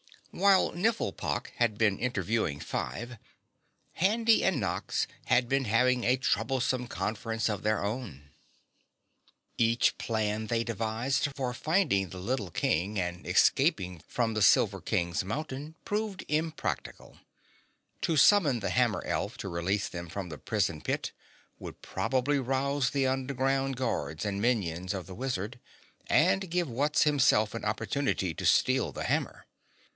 While Nifflepok had been interviewing Five, Handy and Nox had been having a troublesome conference of their own. Each plan they devised for finding the little King and escaping from the Silver King's Mountain proved impractical. To summon the hammer elf to release them from the prison pit would probably rouse the underground guards and minions of the wizard, and give Wutz himself an opportunity to steal the hammer.